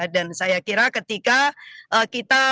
dan saya kira ketika